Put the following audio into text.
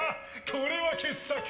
これは傑作！